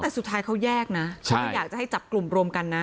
แต่สุดท้ายเขาแยกนะเขาไม่อยากจะให้จับกลุ่มรวมกันนะ